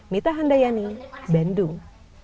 mita handayani bandung